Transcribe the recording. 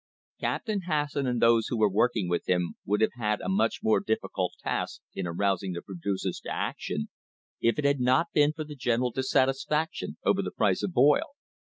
Captain Hasson and those who were working with him would have had a much more difficult task in arousing the producers to action if it had not been for the general dissatis ( faction over the price of oil.